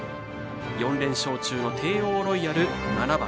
４連勝中のテーオーロイヤル７番。